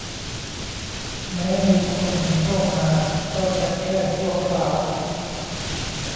แม้มีคนเข้ามาก็จะแค่ชั่วคราว